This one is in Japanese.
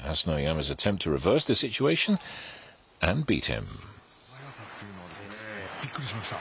反応のこの素早さっていうのは、びっくりしました。